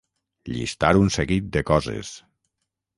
Llistar un seguit de coses.